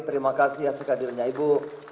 terima kasih sekadirnya ibu